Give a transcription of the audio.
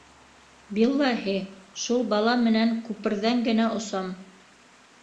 Биллаһи, шул бала менән күперҙән генә осам!